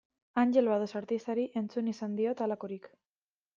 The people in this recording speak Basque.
Angel Bados artistari entzun izan diot halakorik.